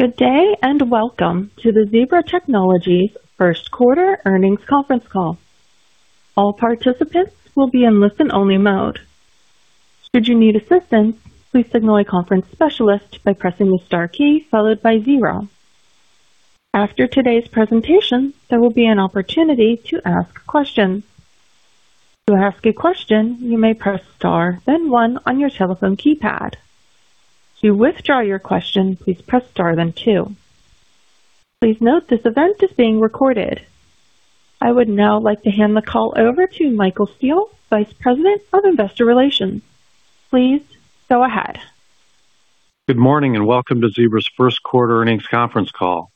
Good day, and welcome to the Zebra Technologies first quarter earnings conference call. All participants will be in listen-only mode. Should you need assistance, please signal a conference specialist by pressing the star key followed by zero. After today's presentation, there will be an opportunity to ask a question. To ask a question, you may press star, then one on your telephone keypad. To withdraw your question, please press star, then two. Please note this event is being recorded. I would now like to hand the call over to Michael Steele, Vice President of Investor Relations. Please go ahead. Good morning, and welcome to Zebra's first quarter earnings conference call.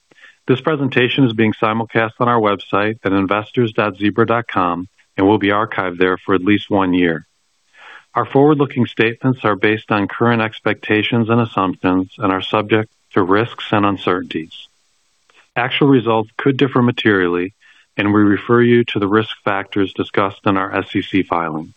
This presentation is being simulcast on our website at investors.zebra.com and will be archived there for at least one year. Our forward-looking statements are based on current expectations and assumptions and are subject to risks and uncertainties. Actual results could differ materially, and we refer you to the risk factors discussed in our SEC filings.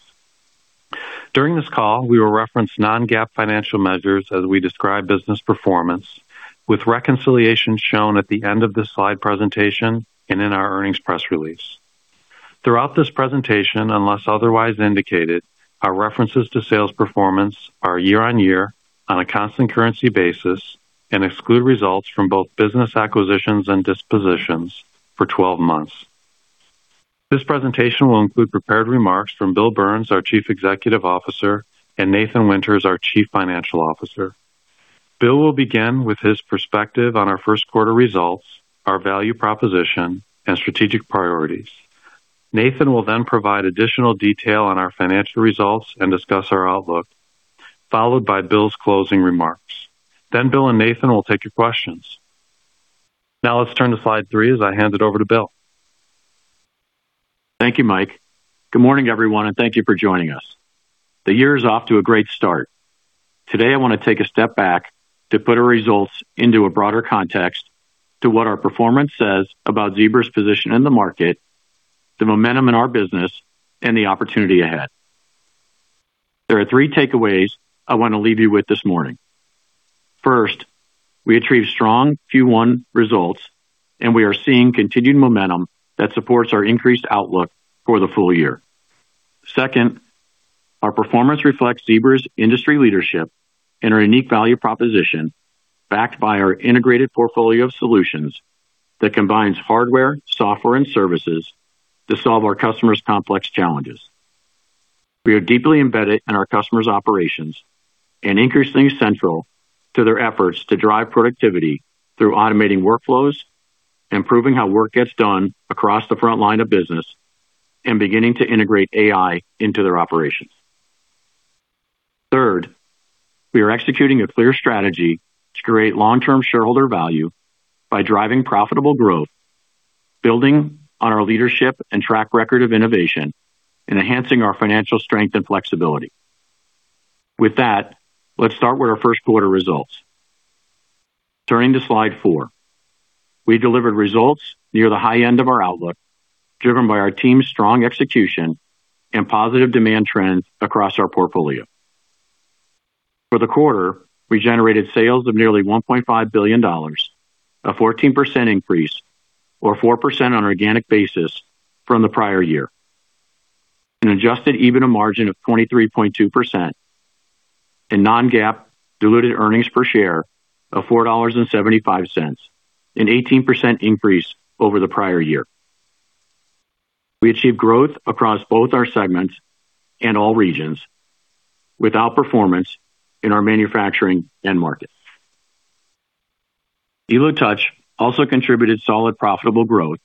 During this call, we will reference non-GAAP financial measures as we describe business performance, with reconciliations shown at the end of this slide presentation and in our earnings press release. Throughout this presentation, unless otherwise indicated, our references to sales performance are year-on-year on a constant currency basis and exclude results from both business acquisitions and dispositions for 12 months. This presentation will include prepared remarks from Bill Burns, our Chief Executive Officer, and Nathan Winters, our Chief Financial Officer. Bill will begin with his perspective on our first quarter results, our value proposition, and strategic priorities. Nathan will then provide additional detail on our financial results and discuss our outlook, followed by Bill's closing remarks. Bill and Nathan will take your questions. Now let's turn to slide three as I hand it over to Bill. Thank you, Mike. Good morning, everyone, and thank you for joining us. The year is off to a great start. Today, I want to take a step back to put our results into a broader context to what our performance says about Zebra's position in the market, the momentum in our business, and the opportunity ahead. There are three takeaways I want to leave you with this morning. First, we achieved strong Q1 results, and we are seeing continued momentum that supports our increased outlook for the full year. Second, our performance reflects Zebra's industry leadership and our unique value proposition backed by our integrated portfolio of solutions that combines hardware, software, and services to solve our customers' complex challenges. We are deeply embedded in our customers' operations and increasingly central to their efforts to drive productivity through automating workflows, improving how work gets done across the front line of business, and beginning to integrate AI into their operations. Third, we are executing a clear strategy to create long-term shareholder value by driving profitable growth, building on our leadership and track record of innovation, and enhancing our financial strength and flexibility. With that, let's start with our first quarter results. Turning to slide four. We delivered results near the high end of our outlook, driven by our team's strong execution and positive demand trends across our portfolio. For the quarter, we generated sales of nearly $1.5 billion, a 14% increase or 4% on organic basis from the prior year. An adjusted EBITDA margin of 23.2% and non-GAAP diluted earnings per share of $4.75, an 18% increase over the prior year. We achieved growth across both our segments and all regions with outperformance in our manufacturing end markets. Elo Touch also contributed solid profitable growth,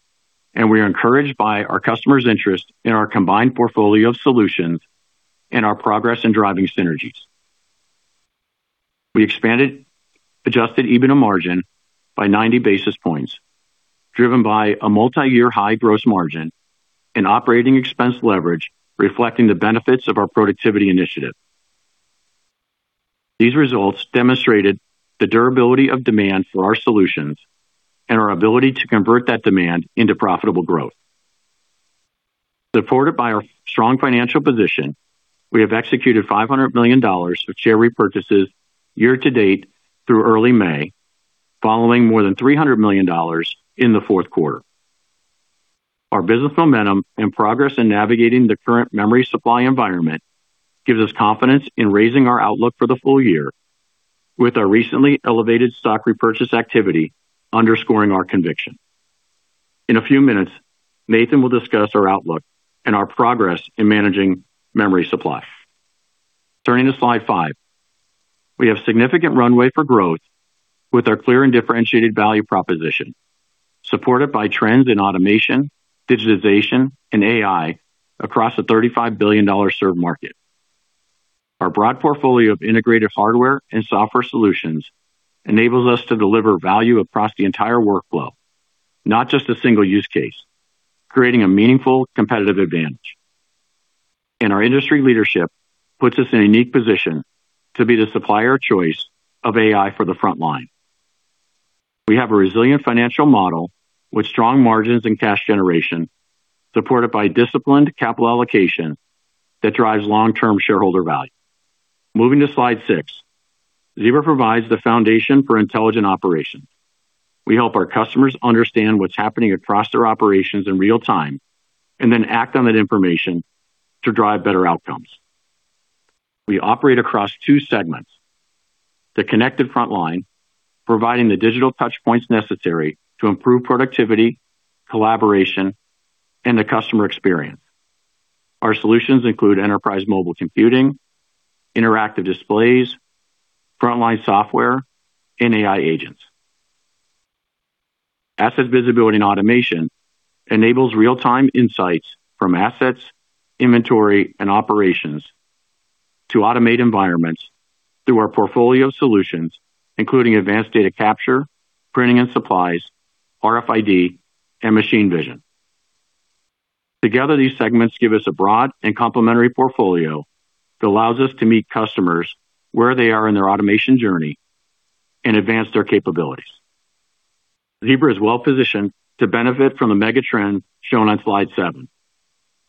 and we are encouraged by our customers' interest in our combined portfolio of solutions and our progress in driving synergies. We expanded adjusted EBITDA margin by 90 basis points, driven by a multiyear high gross margin and operating expense leverage reflecting the benefits of our productivity initiative. These results demonstrated the durability of demand for our solutions and our ability to convert that demand into profitable growth. Supported by our strong financial position, we have executed $500 million of share repurchases year to date through early May, following more than $300 million in the fourth quarter. Our business momentum and progress in navigating the current memory supply environment gives us confidence in raising our outlook for the full year, with our recently elevated stock repurchase activity underscoring our conviction. In a few minutes, Nathan will discuss our outlook and our progress in managing memory supply. Turning to slide five We have significant runway for growth with our clear and differentiated value proposition, supported by trends in automation, digitization, and AI across a $35 billion served market. Our broad portfolio of integrated hardware and software solutions enables us to deliver value across the entire workflow, not just a single use case, creating a meaningful competitive advantage. Our industry leadership puts us in a unique position to be the supplier of choice of AI for the frontline. We have a resilient financial model with strong margins and cash generation, supported by disciplined capital allocation that drives long-term shareholder value. Moving to slide six, Zebra provides the foundation for intelligent operations. We help our customers understand what's happening across their operations in real time and then act on that information to drive better outcomes. We operate across two segments, the Connected Frontline, providing the digital touchpoints necessary to improve productivity, collaboration, and the customer experience. Our solutions include enterprise mobile computing, interactive displays, frontline software, and AI agents. Asset Visibility and Automation enables real-time insights from assets, inventory, and operations to automate environments through our portfolio solutions, including advanced data capture, printing and supplies, RFID, and Machine Vision. Together, these segments give us a broad and complementary portfolio that allows us to meet customers where they are in their automation journey and advance their capabilities. Zebra is well-positioned to benefit from the megatrend shown on slide seven.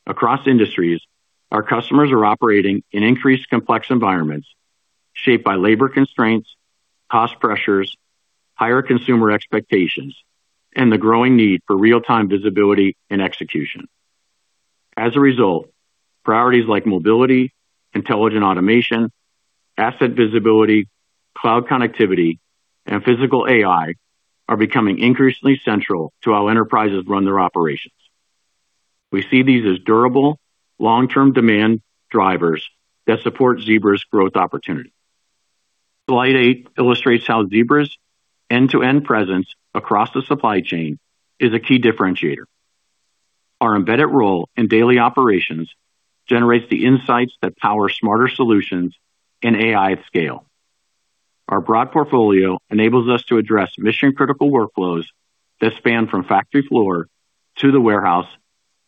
Across industries, our customers are operating in increased complex environments shaped by labor constraints, cost pressures, higher consumer expectations, and the growing need for real-time visibility and execution. As a result, priorities like Mobility, Intelligent Automation, Asset Visibility, Cloud Connectivity, and Physical AI are becoming increasingly central to how enterprises run their operations. We see these as durable, long-term demand drivers that support Zebra's growth opportunity. Slide eight illustrates how Zebra's end-to-end presence across the supply chain is a key differentiator. Our embedded role in daily operations generates the insights that power smarter solutions and AI at scale. Our broad portfolio enables us to address mission-critical workflows that span from factory floor to the warehouse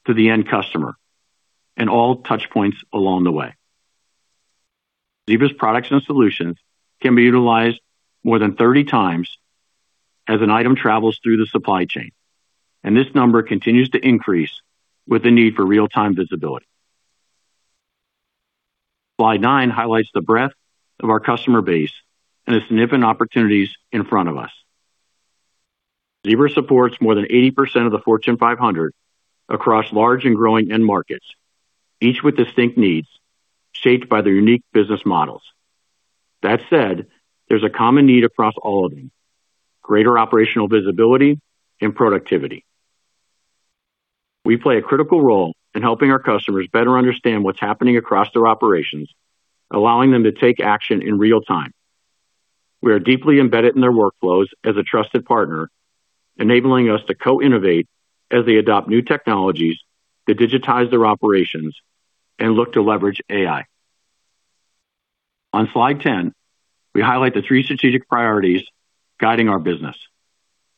to the end customer, and all touch points along the way. Zebra's products and solutions can be utilized more than 30x as an item travels through the supply chain, and this number continues to increase with the need for real-time visibility. Slide nine highlights the breadth of our customer base and the significant opportunities in front of us. Zebra supports more than 80% of the Fortune 500 across large and growing end markets, each with distinct needs shaped by their unique business models. That said, there's a common need across all of them, greater operational visibility and productivity. We play a critical role in helping our customers better understand what's happening across their operations, allowing them to take action in real time. We are deeply embedded in their workflows as a trusted partner, enabling us to co-innovate as they adopt new technologies to digitize their operations and look to leverage AI. On slide 10, we highlight the three strategic priorities guiding our business.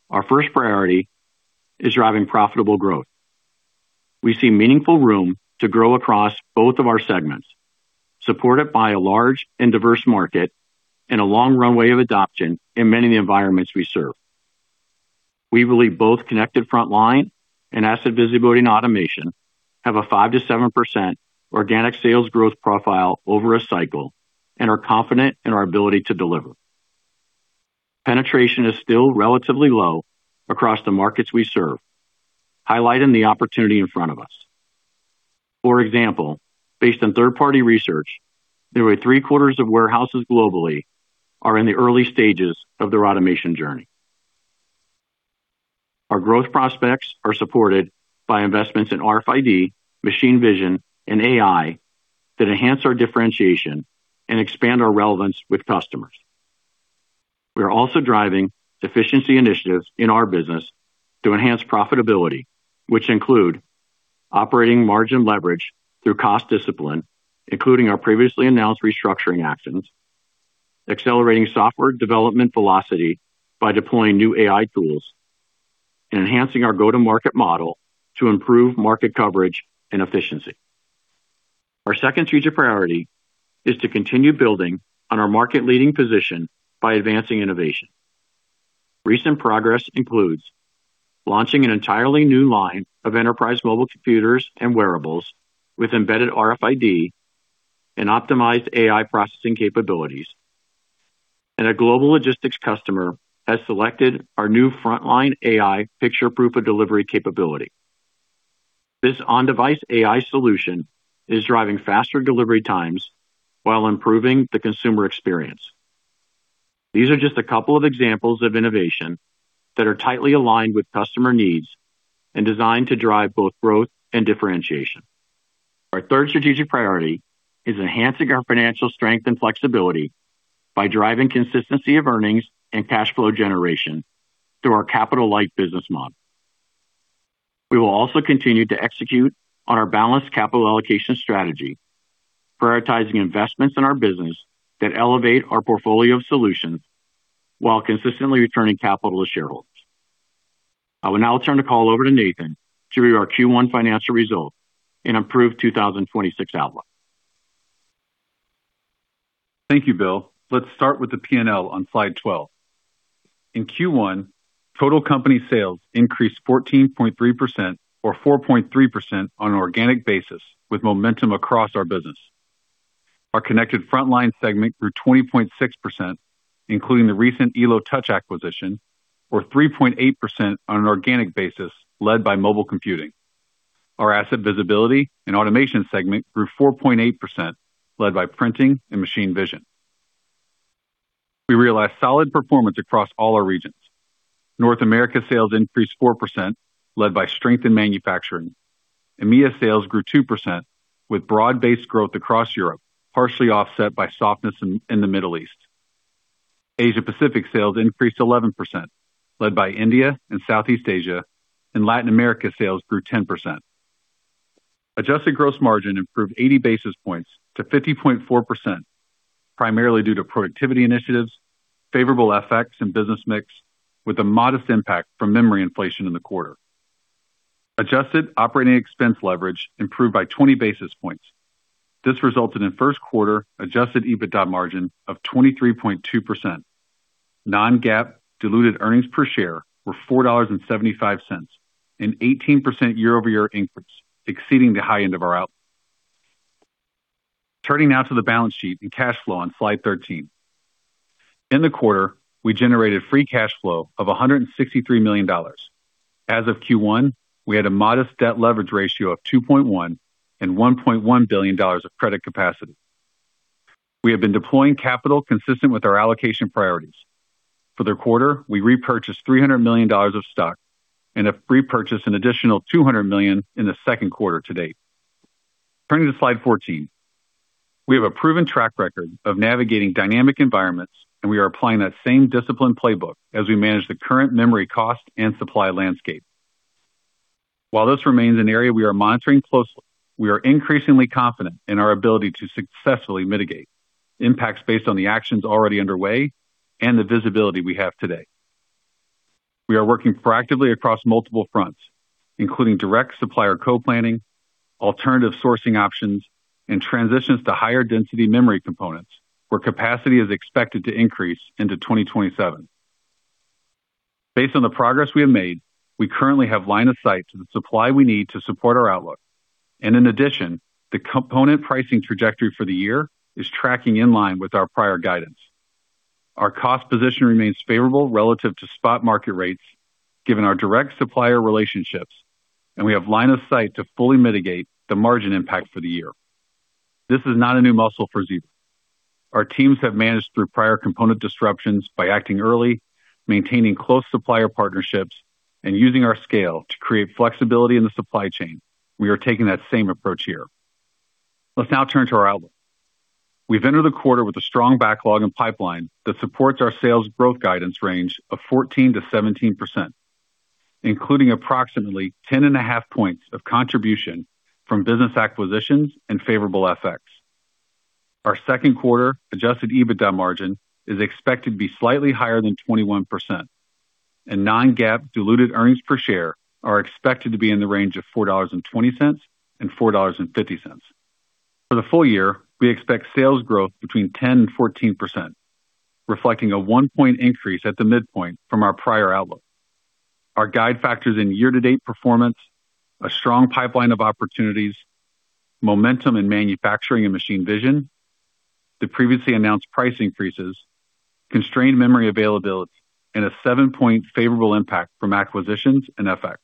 Our first priority is driving profitable growth. We see meaningful room to grow across both of our segments, supported by a large and diverse market and a long runway of adoption in many of the environments we serve. We believe both Connected Frontline and Asset Visibility and Automation have a 5%-7% organic sales growth profile over a cycle and are confident in our ability to deliver. Penetration is still relatively low across the markets we serve, highlighting the opportunity in front of us. For example, based on third-party research, nearly 3/4 of warehouses globally are in the early stages of their automation journey. Our growth prospects are supported by investments in RFID, Machine Vision, and AI that enhance our differentiation and expand our relevance with customers. We are also driving efficiency initiatives in our business to enhance profitability, which include operating margin leverage through cost discipline, including our previously announced restructuring actions, accelerating software development velocity by deploying new AI tools, and enhancing our go-to-market model to improve market coverage and efficiency. Our second strategic priority is to continue building on our market-leading position by advancing innovation. Recent progress includes launching an entirely new line of enterprise mobile computers and wearables with embedded RFID and optimized AI processing capabilities. A global logistics customer has selected our new Frontline AI Picture Proof of Delivery capability. This on-device AI solution is driving faster delivery times while improving the consumer experience. These are just a couple of examples of innovation that are tightly aligned with customer needs and designed to drive both growth and differentiation. Our third strategic priority is enhancing our financial strength and flexibility by driving consistency of earnings and cash flow generation through our capital-light business model. We will also continue to execute on our balanced capital allocation strategy, prioritizing investments in our business that elevate our portfolio of solutions while consistently returning capital to shareholders. I will now turn the call over to Nathan to review our Q1 financial results and improved 2026 outlook. Thank you, Bill. Let's start with the P&L on slide 12. In Q1, total company sales increased 14.3% or 4.3% on an organic basis with momentum across our business. Our Connected Frontline segment grew 20.6%, including the recent Elo Touch acquisition, or 3.8% on an organic basis led by mobile computing. Our Asset Visibility and Automation segment grew 4.8%, led by printing and Machine Vision. We realized solid performance across all our regions. North America sales increased 4%, led by strength in manufacturing. EMEA sales grew 2% with broad-based growth across Europe, partially offset by softness in the Middle East. Asia Pacific sales increased 11%, led by India and Southeast Asia. Latin America sales grew 10%. Adjusted gross margin improved 80 basis points to 50.4%, primarily due to productivity initiatives, favorable FX and business mix, with a modest impact from memory inflation in the quarter. Adjusted operating expense leverage improved by 20 basis points. This resulted in first quarter adjusted EBITDA margin of 23.2%. Non-GAAP diluted earnings per share were $4.75, an 18% year-over-year increase, exceeding the high end of our outlook. Turning now to the balance sheet and cash flow on slide 13. In the quarter, we generated free cash flow of $163 million. As of Q1, we had a modest debt leverage ratio of 2.1 and $1.1 billion of credit capacity. We have been deploying capital consistent with our allocation priorities. For the quarter, we repurchased $300 million of stock and have repurchased an additional $200 million in the second quarter to date. Turning to slide 14. We have a proven track record of navigating dynamic environments, and we are applying that same disciplined playbook as we manage the current memory cost and supply landscape. While this remains an area we are monitoring closely, we are increasingly confident in our ability to successfully mitigate impacts based on the actions already underway and the visibility we have today. We are working proactively across multiple fronts, including direct supplier co-planning, alternative sourcing options, and transitions to higher density memory components, where capacity is expected to increase into 2027. Based on the progress we have made, we currently have line of sight to the supply we need to support our outlook. In addition, the component pricing trajectory for the year is tracking in line with our prior guidance. Our cost position remains favorable relative to spot market rates given our direct supplier relationships, and we have line of sight to fully mitigate the margin impact for the year. This is not a new muscle for Zebra. Our teams have managed through prior component disruptions by acting early, maintaining close supplier partnerships, and using our scale to create flexibility in the supply chain. We are taking that same approach here. Let's now turn to our outlook. We've entered the quarter with a strong backlog and pipeline that supports our sales growth guidance range of 14%-17%, including approximately 10.5 points of contribution from business acquisitions and favorable FX. Our second quarter adjusted EBITDA margin is expected to be slightly higher than 21%, and non-GAAP diluted earnings per share are expected to be in the range of $4.20 and $4.50. For the full year, we expect sales growth between 10% and 14%, reflecting a one point increase at the midpoint from our prior outlook. Our guide factors in year to date performance, a strong pipeline of opportunities, momentum in manufacturing and Machine Vision, the previously announced price increases, constrained memory availability, and a seven-point favorable impact from acquisitions and FX.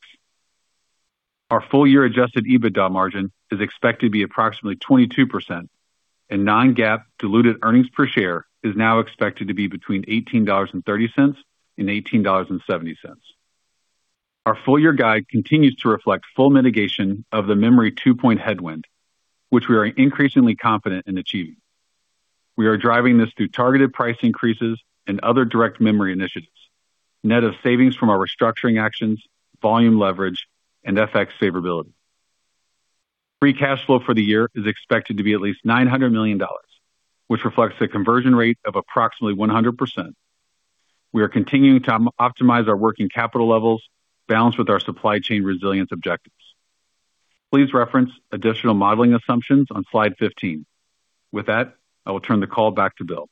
Our full year adjusted EBITDA margin is expected to be approximately 22%, and non-GAAP diluted earnings per share is now expected to be between $18.30 and $18.70. Our full year guide continues to reflect full mitigation of the memory two-point headwind, which we are increasingly confident in achieving. We are driving this through targeted price increases and other direct memory initiatives, net of savings from our restructuring actions, volume leverage, and FX favorability. Free cash flow for the year is expected to be at least $900 million, which reflects a conversion rate of approximately 100%. We are continuing to optimize our working capital levels balanced with our supply chain resilience objectives. Please reference additional modeling assumptions on slide 15. With that, I will turn the call back to Bill.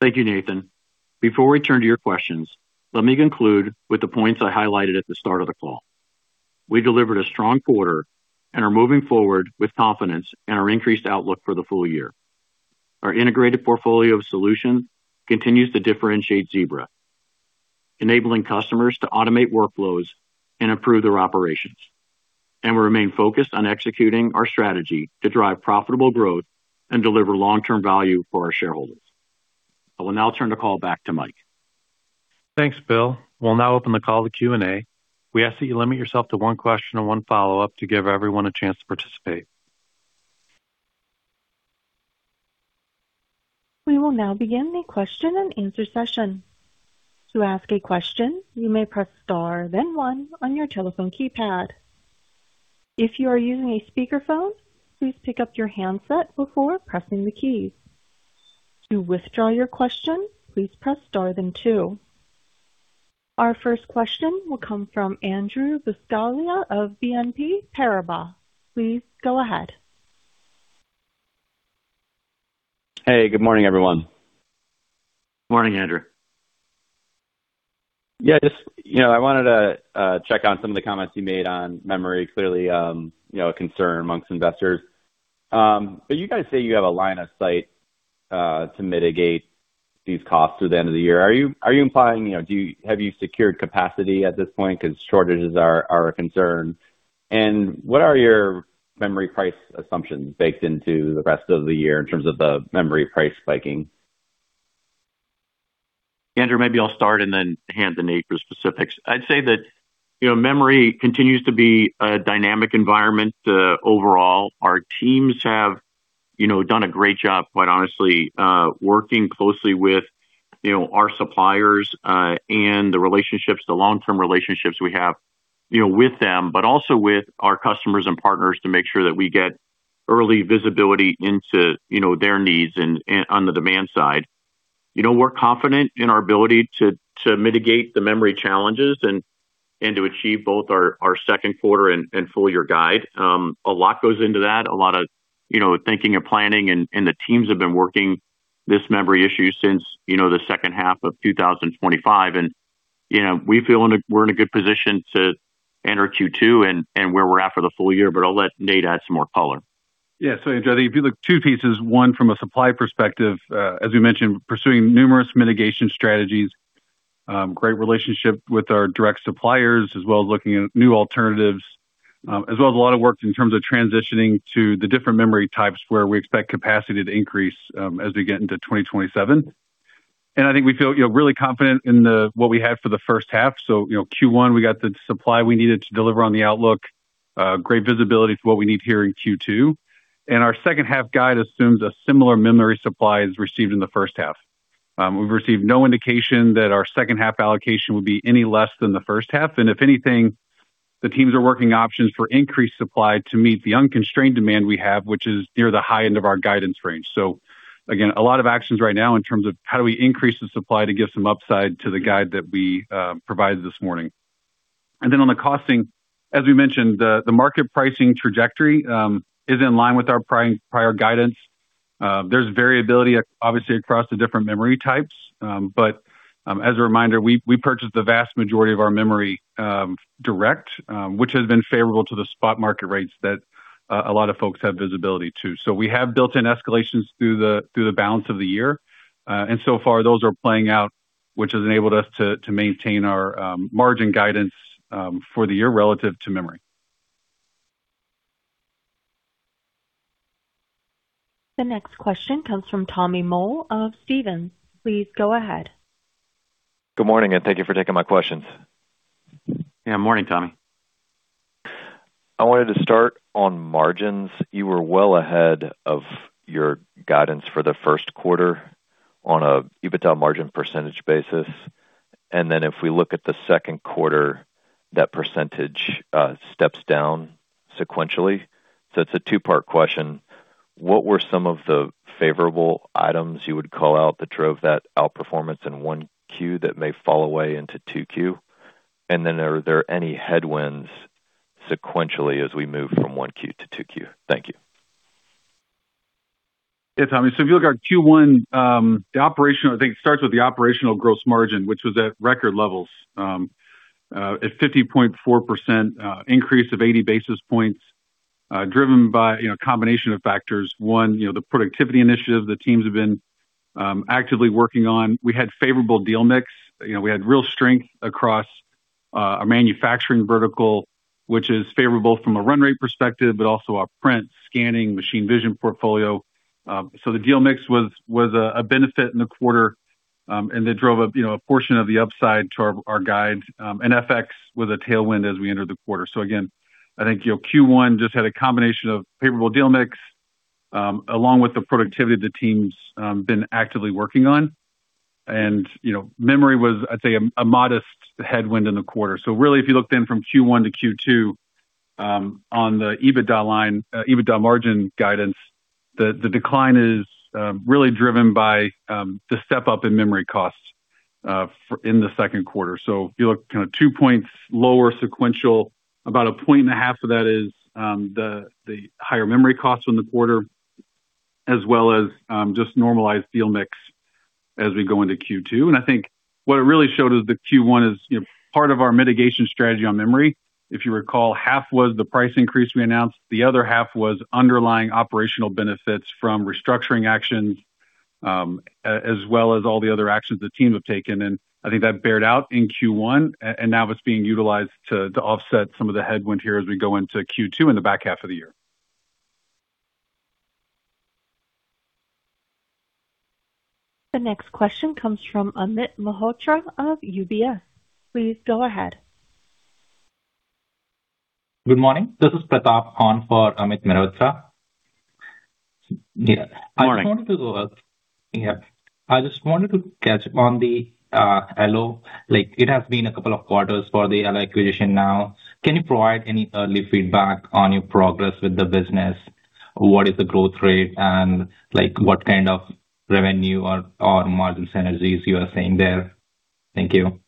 Thank you, Nathan. Before we turn to your questions, let me conclude with the points I highlighted at the start of the call. We delivered a strong quarter and are moving forward with confidence in our increased outlook for the full year. Our integrated portfolio of solutions continues to differentiate Zebra, enabling customers to automate workflows and improve their operations, and we remain focused on executing our strategy to drive profitable growth and deliver long-term value for our shareholders. I will now turn the call back to Mike. Thanks, Bill. We'll now open the call to Q&A. We ask that you limit yourself to one question and one follow-up to give everyone a chance to participate. We will now begin the question and answer session. Our first question will come from Andrew Buscaglia of BNP Paribas. Please go ahead. Hey, good morning, everyone. Morning, Andrew. Yeah, just, you know, I wanted to check on some of the comments you made on memory. Clearly, you know, a concern amongst investors. You guys say you have a line of sight to mitigate these costs through the end of the year. Are you implying, you know, have you secured capacity at this point? 'Cause shortages are a concern. What are your memory price assumptions baked into the rest of the year in terms of the memory price spiking? Andrew, maybe I'll start and then hand to Nathan for specifics. I'd say that, you know, memory continues to be a dynamic environment, overall. Our teams have, you know, done a great job, quite honestly, working closely with, you know, our suppliers, and the relationships, the long-term relationships we have, you know, with them, but also with our customers and partners to make sure that we get early visibility into, you know, their needs and on the demand side. You know, we're confident in our ability to mitigate the memory challenges and to achieve both our second quarter and full year guide. A lot goes into that. A lot of, you know, thinking and planning and the teams have been working this memory issue since, you know, the second half of 2025. you know, we're in a good position to enter Q2 and where we're at for the full year. I'll let Nate add some more color. Yeah, Andrew, I think if you look two pieces, one from a supply perspective, as we mentioned, pursuing numerous mitigation strategies, great relationship with our direct suppliers, as well as looking at new alternatives, as well as a lot of work in terms of transitioning to the different memory types where we expect capacity to increase, as we get into 2027. I think we feel, you know, really confident in what we have for the first half. Q1, we got the supply we needed to deliver on the outlook. Great visibility for what we need here in Q2. Our second half guide assumes a similar memory supply as received in the first half. We've received no indication that our second half allocation will be any less than the first half. If anything, the teams are working options for increased supply to meet the unconstrained demand we have, which is near the high end of our guidance range. Again, a lot of actions right now in terms of how do we increase the supply to give some upside to the guide that we provided this morning. Then on the costing, as we mentioned, the market pricing trajectory is in line with our prior guidance. There's variability obviously across the different memory types. But as a reminder, we purchased the vast majority of our memory direct, which has been favorable to the spot market rates that a lot of folks have visibility to. We have built in escalations through the balance of the year. So far those are playing out, which has enabled us to maintain our margin guidance for the year relative to memory. The next question comes from Tommy Moll of Stephens. Please go ahead. Good morning, and thank you for taking my questions. Yeah, morning, Tommy. I wanted to start on margins. You were well ahead of your guidance for the first quarter on a EBITDA margin percentage basis basis. If we look at the second quarter, that percentage steps down sequentially. It's a two-part question. What were some of the favorable items you would call out that drove that outperformance in 1Q that may fall away into 2Q? Are there any headwinds sequentially as we move from 1Q to 2Q? Thank you. Yeah, Tommy. If you look at Q1, I think it starts with the operational gross margin, which was at record levels, at 50.4%, increase of 80 basis points, driven by, you know, a combination of factors. One, you know, the productivity initiative the teams have been actively working on. We had favorable deal mix. You know, we had real strength across our manufacturing vertical, which is favorable from a run rate perspective, but also our print, scanning, Machine Vision portfolio. The deal mix was a benefit in the quarter, that drove a, you know, a portion of the upside to our guide. FX was a tailwind as we entered the quarter. Again, I think, you know, Q1 just had a combination of favorable deal mix, along with the productivity the team's been actively working on. You know, memory was, I'd say, a modest headwind in the quarter. Really, if you looked in from Q1 to Q2, on the EBITDA line, EBITDA margin guidance, the decline is really driven by the step-up in memory costs in the second quarter. If you look kind of two points lower sequential, about 1.5 points of that is the higher memory costs from the quarter, as well as just normalized deal mix as we go into Q2. I think what it really showed is that Q1 is, you know, part of our mitigation strategy on memory. If you recall, half was the price increase we announced. The other half was underlying operational benefits from restructuring actions, as well as all the other actions the teams have taken. I think that beared out in Q1, and now it's being utilized to offset some of the headwind here as we go into Q2 in the back half of the year. The next question comes from Amit Mehrotra of UBS. Please go ahead. Good morning. This is Pratap on for Amit Mehrotra. Yeah. Morning. I just wanted to, yeah. I just wanted to catch up on the Elo. Like, it has been a couple of quarters for the Elo acquisition now. Can you provide any early feedback on your progress with the business? What is the growth rate and, like, what kind of revenue or margin synergies you are seeing there? Thank you.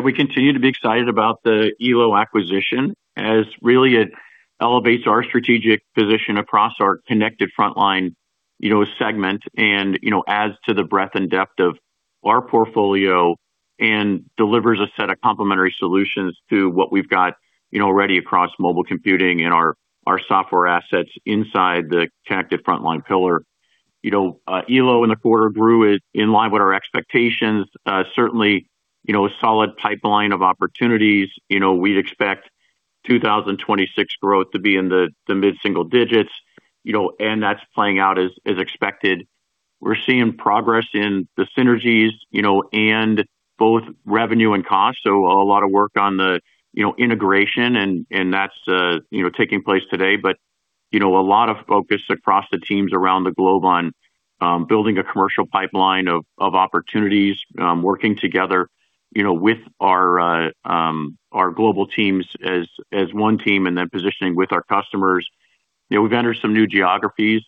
We continue to be excited about the Elo acquisition as really it elevates our strategic position across our Connected Frontline, you know, segment and, you know, adds to the breadth and depth of our portfolio and delivers a set of complementary solutions to what we've got, you know, already across mobile computing and our software assets inside the Connected Frontline pillar. You know, Elo in the quarter grew it in line with our expectations. Certainly, you know, a solid pipeline of opportunities. You know, we'd expect 2026 growth to be in the mid-single digits, you know, that's playing out as expected. We're seeing progress in the synergies, you know, both revenue and cost. A lot of work on the, you know, integration and that's, you know, taking place today. You know, a lot of focus across the teams around the globe on building a commercial pipeline of opportunities, working together, you know, with our global teams as one team and then positioning with our customers. You know, we've entered some new geographies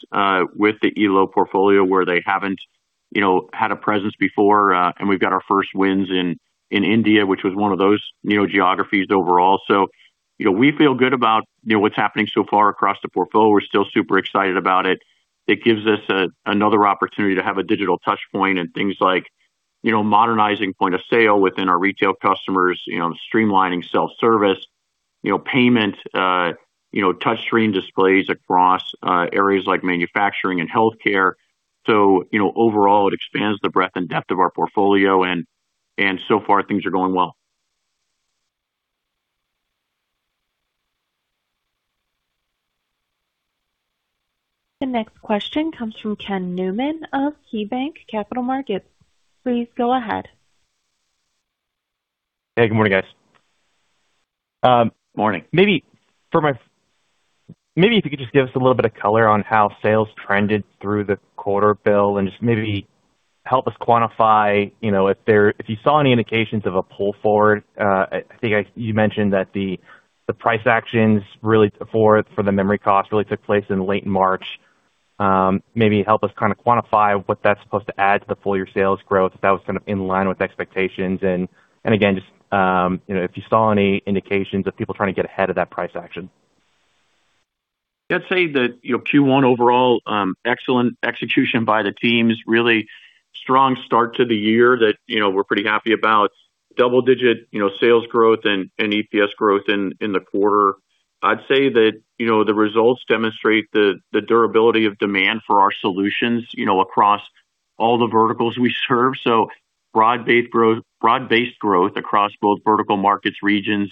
with the Elo portfolio where they haven't, you know, had a presence before. And we've got our first wins in India, which was one of those, you know, geographies overall. You know, we feel good about, you know, what's happening so far across the portfolio. We're still super excited about it. It gives us another opportunity to have a digital touch point and things like, you know, modernizing point of sale within our retail customers, you know, streamlining self-service, you know, payment, touchscreen displays across areas like manufacturing and healthcare. You know, overall, it expands the breadth and depth of our portfolio, and so far, things are going well. The next question comes from Ken Newman of KeyBanc Capital Markets. Please go ahead. Hey, good morning, guys. Morning. Maybe if you could just give us a little bit of color on how sales trended through the quarter, Bill, and just maybe help us quantify, you know, if you saw any indications of a pull forward. I think you mentioned that the price actions really for the memory cost really took place in late March. maybe help us kind of quantify what that's supposed to add to the full year sales growth, if that was kind of in line with expectations. Again, just, you know, if you saw any indications of people trying to get ahead of that price action. I'd say that, you know, Q1 overall, excellent execution by the teams, really strong start to the year that, you know, we're pretty happy about. Double-digit, you know, sales growth and EPS growth in the quarter. I'd say that, you know, the results demonstrate the durability of demand for our solutions, you know, across all the verticals we serve. Broad-based growth across both vertical markets, regions,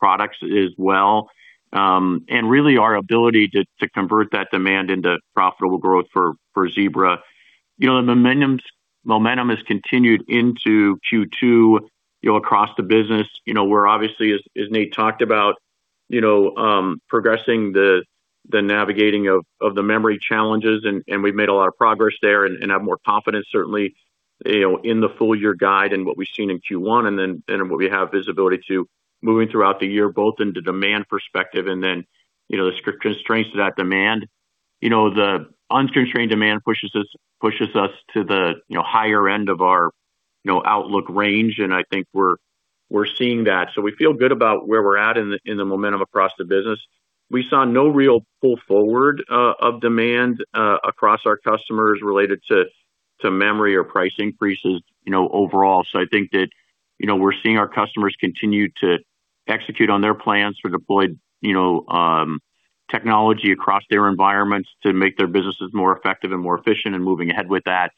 products as well. Really our ability to convert that demand into profitable growth for Zebra. You know, the momentum has continued into Q2, you know, across the business. You know, we're obviously, as Nate talked about, you know, progressing the navigating of the memory challenges, and we've made a lot of progress there and have more confidence certainly, you know, in the full year guide and what we've seen in Q1 and then, and what we have visibility to moving throughout the year, both in the demand perspective and then, you know, the strict constraints to that demand. You know, the unconstrained demand pushes us to the, you know, higher end of our, you know, outlook range, and I think we're seeing that. We feel good about where we're at in the momentum across the business. We saw no real pull forward of demand across our customers related to memory or price increases, you know, overall. I think that, you know, we're seeing our customers continue to execute on their plans for deployed, you know, technology across their environments to make their businesses more effective and more efficient and moving ahead with that.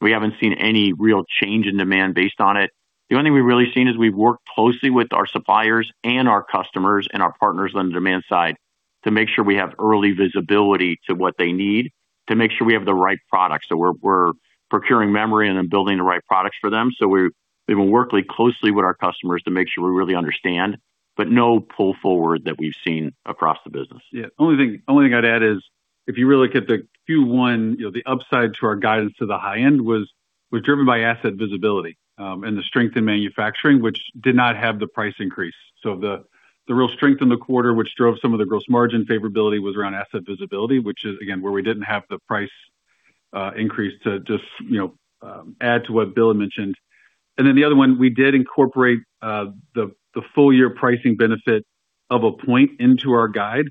We haven't seen any real change in demand based on it. The only thing we've really seen is we've worked closely with our suppliers and our customers and our partners on the demand side to make sure we have early visibility to what they need to make sure we have the right products. We're procuring memory and then building the right products for them. We've been working closely with our customers to make sure we really understand, but no pull forward that we've seen across the business. Only thing I'd add is if you really look at the Q1, you know, the upside to our guidance to the high end was driven by Asset Visibility, and the strength in manufacturing, which did not have the price increase. The real strength in the quarter, which drove some of the gross margin favorability, was around Asset Visibility, which is again, where we didn't have the price increase to just, you know, add to what Bill had mentioned. The other one, we did incorporate the full year pricing benefit of a point into our guide.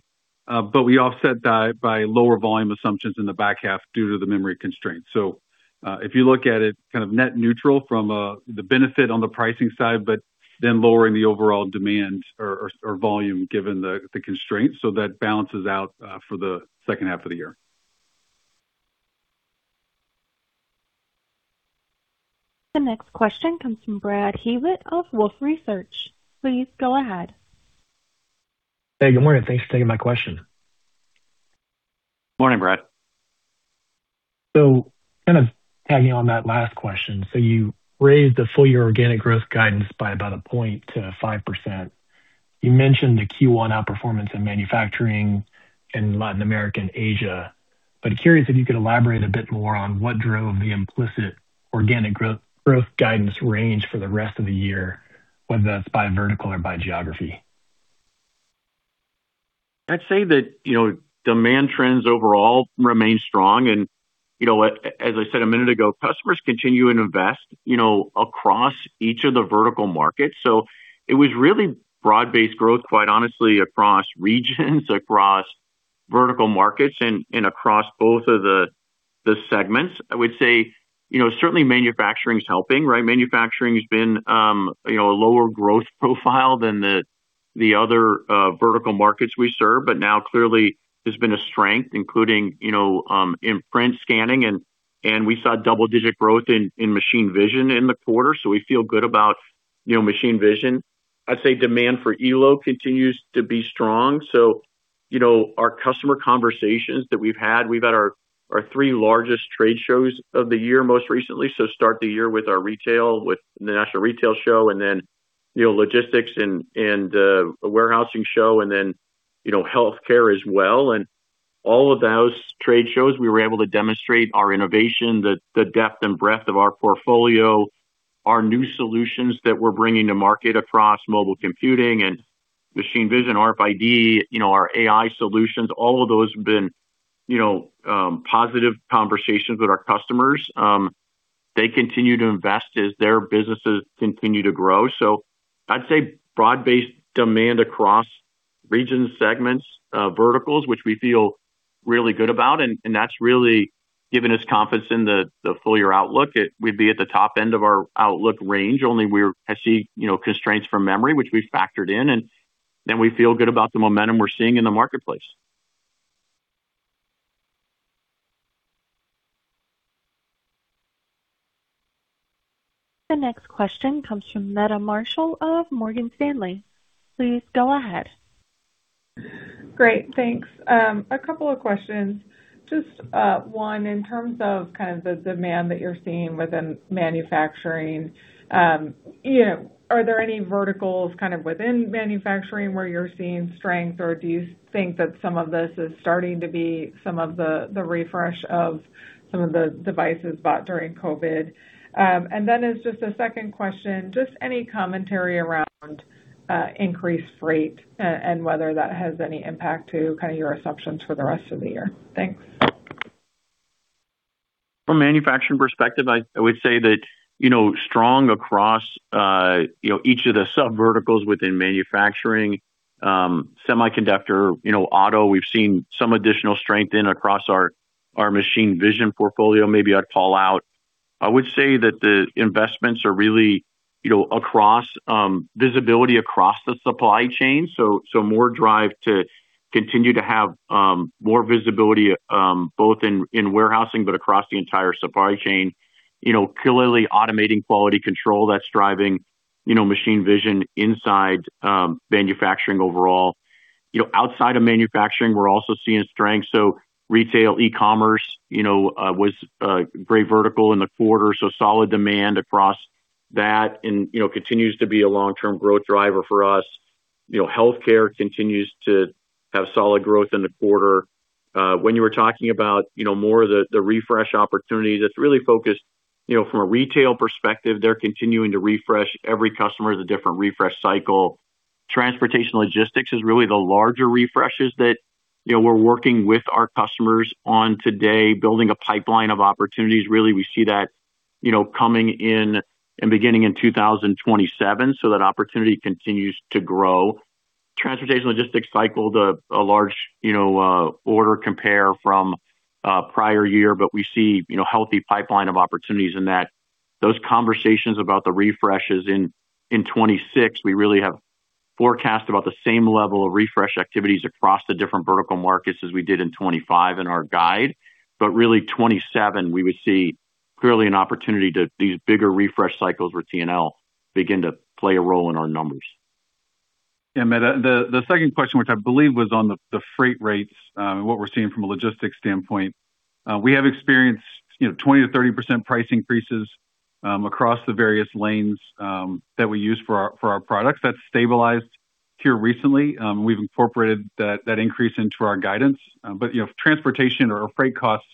We offset that by lower volume assumptions in the back half due to the memory constraints. If you look at it kind of net neutral from the benefit on the pricing side, but then lowering the overall demand or volume given the constraints. That balances out for the second half of the year. The next question comes from Brad Heffern of Wolfe Research. Please go ahead. Hey, good morning. Thanks for taking my question. Morning, Brad. Kind of tagging on that last question. You raised the full year organic growth guidance by about one point to 5%. You mentioned the Q1 outperformance in manufacturing in Latin America and Asia. Curious if you could elaborate a bit more on what drove the implicit organic growth guidance range for the rest of the year, whether that's by vertical or by geography. I'd say that, you know, demand trends overall remain strong. You know, as I said a minute ago, customers continue and invest, you know, across each of the vertical markets. It was really broad-based growth, quite honestly, across regions, across vertical markets, and across both of the segments. I would say, you know, certainly manufacturing is helping, right? Manufacturing has been, you know, a lower growth profile than the other vertical markets we serve. Now clearly has been a strength, including, you know, in print scanning and we saw double-digit growth in Machine Vision in the quarter. We feel good about, you know, Machine Vision. I'd say demand for Elo continues to be strong. You know, our customer conversations that we've had, we've had our three largest trade shows of the year, most recently. Start the year with our retail, with the national retail show and then, you know, logistics and, a warehousing show and then, you know, healthcare as well. All of those trade shows, we were able to demonstrate our innovation, the depth and breadth of our portfolio, our new solutions that we're bringing to market across mobile computing and Machine Vision, RFID, you know, our AI solutions. All of those have been, you know, positive conversations with our customers. They continue to invest as their businesses continue to grow. I'd say broad-based demand across regions, segments, verticals, which we feel really good about. That's really given us confidence in the full year outlook. We'd be at the top end of our outlook range only I see, you know, constraints from memory, which we've factored in, and then we feel good about the momentum we're seeing in the marketplace. The next question comes from Meta Marshall of Morgan Stanley. Please go ahead. Great. Thanks. A couple of questions. Just one, in terms of kind of the demand that you're seeing within manufacturing, you know, are there any verticals kind of within manufacturing where you're seeing strength, or do you think that some of this is starting to be some of the refresh of some of the devices bought during COVID? Then as just a second question, just any commentary around increased freight and whether that has any impact to kind of your assumptions for the rest of the year. Thanks. From manufacturing perspective, I would say that, you know, strong across, you know, each of the sub-verticals within manufacturing. Semiconductor, you know, auto, we've seen some additional strength across our Machine Vision portfolio. Maybe I'd call out. I would say that the investments are really, you know, across visibility across the supply chain. More drive to continue to have more visibility, both in warehousing but across the entire supply chain. You know, clearly automating quality control that's driving, you know, Machine Vision inside manufacturing overall. You know, outside of manufacturing, we're also seeing strength. Retail e-commerce, you know, was very vertical in the quarter, so solid demand across that and, you know, continues to be a long-term growth driver for us. You know, healthcare continues to have solid growth in the quarter. When you were talking about, you know, more of the refresh opportunities, that's really focused, you know, from a retail perspective, they're continuing to refresh. Every customer has a different refresh cycle. Transportation & Logistics is really the larger refreshes that, you know, we're working with our customers on today, building a pipeline of opportunities. Really, we see that, you know, coming in and beginning in 2027, so that opportunity continues to grow. Transportation & Logistics cycle is a large, you know, order compare from prior year, but we see, you know, healthy pipeline of opportunities in that. Those conversations about the refreshes in 2026, we really have forecast about the same level of refresh activities across the different vertical markets as we did in 2025 in our guide. Really 2027, we would see clearly an opportunity to these bigger refresh cycles where T&L begin to play a role in our numbers. Yeah, Meta, the second question, which I believe was on the freight rates, and what we're seeing from a logistics standpoint. We have experienced, you know, 20%-30% price increases across the various lanes that we use for our products. That's stabilized here recently. We've incorporated that increase into our guidance. You know, transportation or freight costs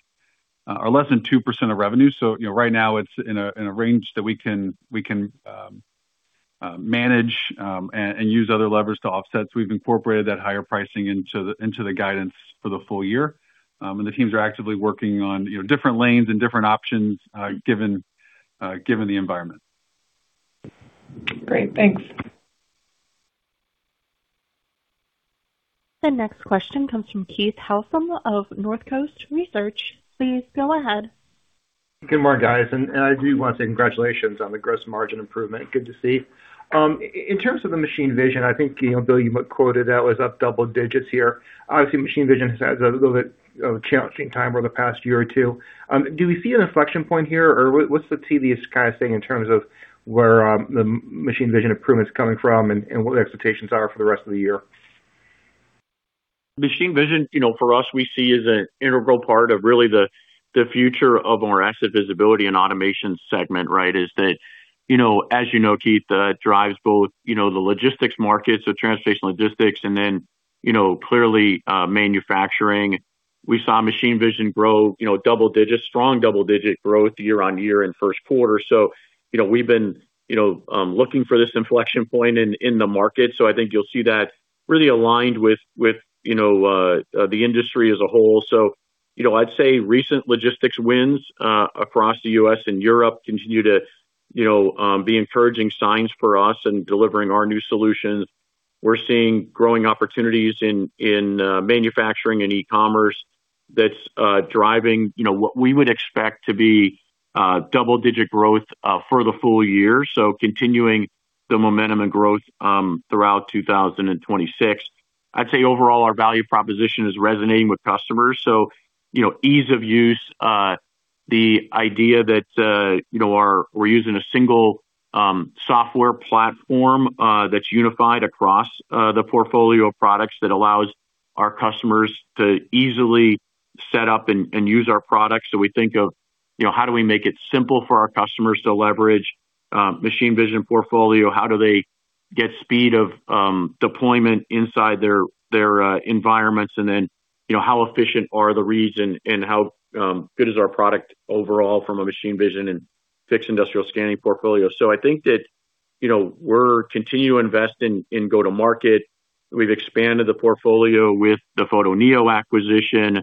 are less than 2% of revenue. You know, right now it's in a range that we can manage and use other levers to offset. We've incorporated that higher pricing into the guidance for the full year. The teams are actively working on, you know, different lanes and different options given the environment. Great. Thanks. The next question comes from Keith Housum of Northcoast Research. Please go ahead. Good morning, guys. I do want to say congratulations on the gross margin improvement. Good to see. In terms of the Machine Vision, I think, you know, Bill, you quoted that was up double digits here. Obviously, Machine Vision has had a little bit of a challenging time over the past year or two. Do we see an inflection point here? Or what's the teeniest kind of thing in terms of where the Machine Vision improvement's coming from and what the expectations are for the rest of the year? Machine vision, you know, for us, we see as an integral part of really the future of our Asset Visibility and Automation segment, right? You know, as you know, Keith, drives both, you know, the logistics market, so transportation logistics, then, you know, clearly, manufacturing. We saw Machine Vision grow, you know, double digits, strong double-digit growth year-on-year in first quarter. You know, we've been, you know, looking for this inflection point in the market. I think you'll see that really aligned with, you know, the industry as a whole. You know, I'd say recent logistics wins across the U.S. and Europe continue to, you know, be encouraging signs for us in delivering our new solutions. We're seeing growing opportunities in manufacturing and e-commerce that's, you know, driving what we would expect to be double-digit growth for the full year, so continuing the momentum and growth throughout 2026. I'd say overall, our value proposition is resonating with customers. You know, ease of use, the idea that, you know, we're using a single software platform that's unified across the portfolio of products that allows our customers to easily set up and use our products. We think of, you know, how do we make it simple for our customers to leverage Machine Vision portfolio? How do they get speed of deployment inside their environments? Then, you know, how efficient are the reads and how good is our product overall from a Machine Vision and fixed industrial scanning portfolio? I think that, you know, we're continuing to invest in go-to-market. We've expanded the portfolio with the Photoneo acquisition.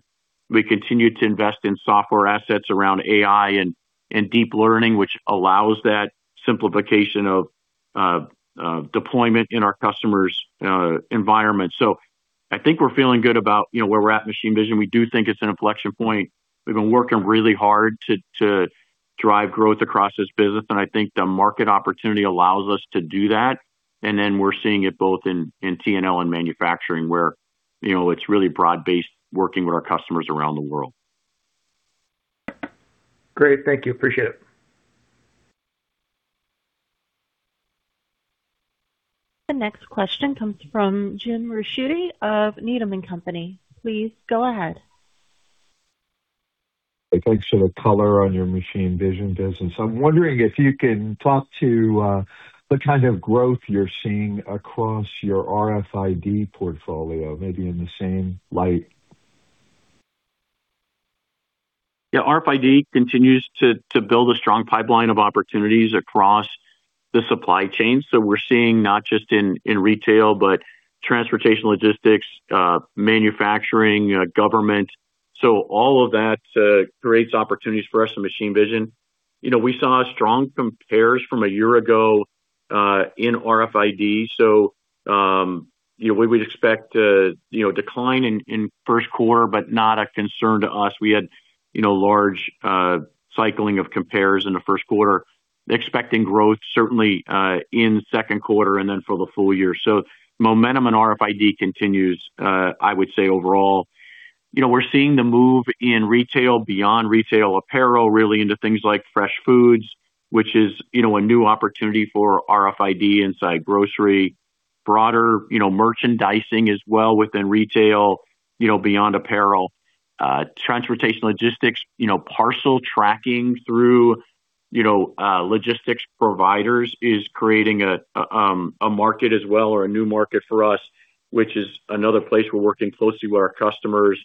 We continue to invest in software assets around AI and deep learning, which allows that simplification of deployment in our customers' environment. I think we're feeling good about, you know, where we're at in Machine Vision. We do think it's an inflection point. We've been working really hard to drive growth across this business, and I think the market opportunity allows us to do that. Then we're seeing it both in T&L and manufacturing, where, you know, it's really broad-based working with our customers around the world. Great. Thank you. Appreciate it. The next question comes from James Ricchiuti of Needham & Company. Please go ahead. Thanks for the color on your Machine Vision business. I'm wondering if you can talk to, the kind of growth you're seeing across your RFID portfolio, maybe in the same light. Yeah. RFID continues to build a strong pipeline of opportunities across the supply chain. We're seeing not just in retail, but transportation logistics, manufacturing, government. All of that creates opportunities for us in Machine Vision. You know, we saw strong compares from a year ago in RFID. We would expect a decline in first quarter, but not a concern to us. We had, you know, large cycling of compares in the first quarter. Expecting growth certainly in second quarter and then for the full year. Momentum in RFID continues, I would say, overall. You know, we're seeing the move in retail, beyond retail apparel really into things like fresh foods, which is, you know, a new opportunity for RFID inside grocery. Broader, you know, merchandising as well within retail, you know, beyond apparel. Transportation logistics, you know, parcel tracking through, you know, logistics providers is creating a market as well or a new market for us, which is another place we're working closely with our customers.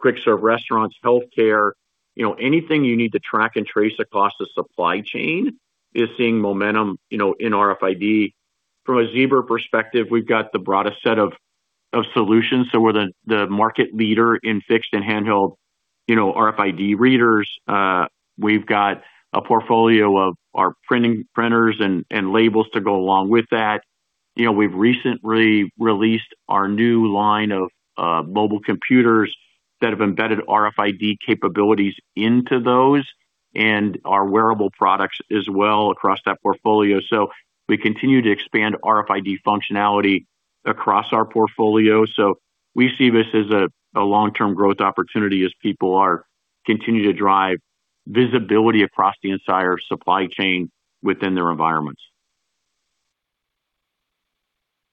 Quick serve restaurants, healthcare, you know, anything you need to track and trace across the supply chain is seeing momentum, you know, in RFID. From a Zebra perspective, we've got the broadest set of solutions, so we're the market leader in fixed and handheld, you know, RFID readers. We've got a portfolio of our printing printers and labels to go along with that. You know, we've recently released our new line of mobile computers that have embedded RFID capabilities into those and our wearable products as well across that portfolio. We continue to expand RFID functionality across our portfolio. We see this as a long-term growth opportunity as people are continuing to drive visibility across the entire supply chain within their environments.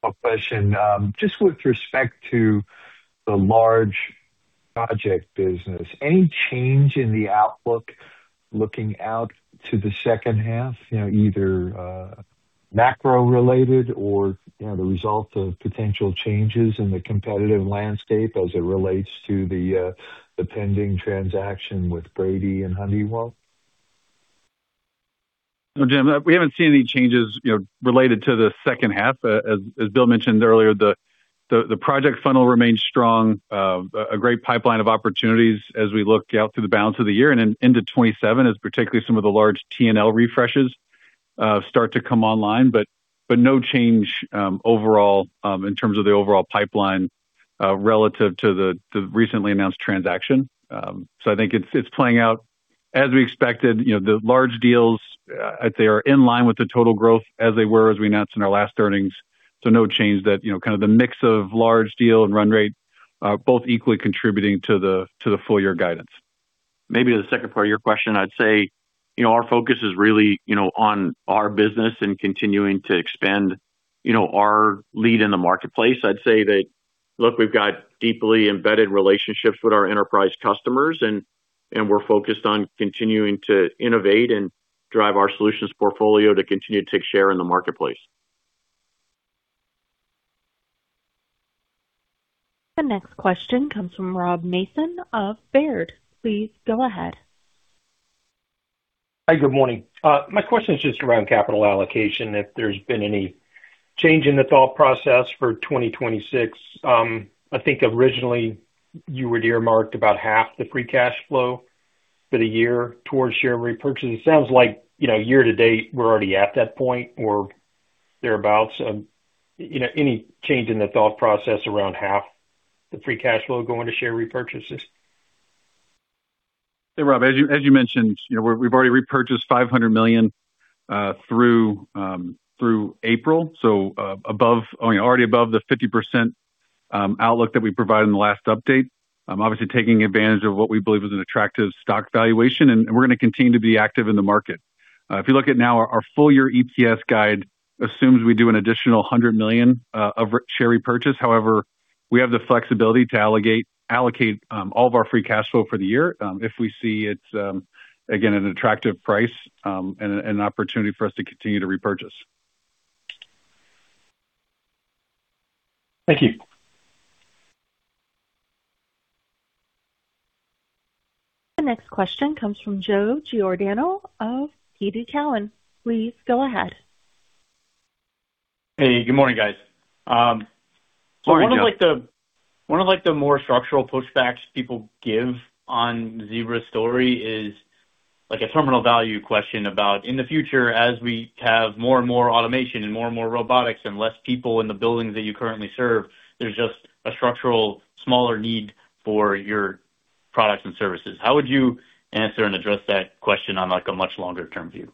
A question. Just with respect to the large project business, any change in the outlook looking out to the second half, you know, either macro related or, you know, the result of potential changes in the competitive landscape as it relates to the pending transaction with Brady and Honeywell? No, Jim, we haven't seen any changes, you know, related to the second half. As Bill mentioned earlier, the project funnel remains strong. A great pipeline of opportunities as we look out through the balance of the year and into 2027 as particularly some of the large T&L refreshes start to come online. No change overall in terms of the overall pipeline relative to the recently announced transaction. I think it's playing out as we expected. You know, the large deals, they are in line with the total growth as we announced in our last earnings. No change that, you know, kind of the mix of large deal and run rate both equally contributing to the full year guidance. Maybe the second part of your question, I'd say, you know, our focus is really, you know, on our business and continuing to expand, you know, our lead in the marketplace. I'd say that, Look, we've got deeply embedded relationships with our enterprise customers, and we're focused on continuing to innovate and drive our solutions portfolio to continue to take share in the marketplace. The next question comes from Rob Mason of Baird. Please go ahead. Hi, good morning. My question is just around capital allocation, if there's been any change in the thought process for 2026. I think originally you had earmarked about half the free cash flow for the year towards share repurchase. It sounds like, you know, year to date, we're already at that point or thereabouts. You know, any change in the thought process around half the free cash flow going to share repurchases? Hey, Rob, as you, as you mentioned, you know, we've already repurchased $500 million through April, so, I mean, already above the 50% outlook that we provided in the last update. Obviously taking advantage of what we believe is an attractive stock valuation, and we're gonna continue to be active in the market. If you look at now our full year EPS guide assumes we do an additional $100 million of share repurchase. We have the flexibility to allocate all of our free cash flow for the year, if we see it's again, an attractive price, and an opportunity for us to continue to repurchase. Thank you. The next question comes from Joseph Giordano of TD Cowen. Please go ahead. Hey, good morning, guys. Morning, Joe. One of, like, the more structural pushbacks people give on Zebra's story is like a terminal value question about in the future, as we have more and more automation and more and more robotics and less people in the buildings that you currently serve, there's just a structural smaller need for your products and services. How would you answer and address that question on, like, a much longer term view?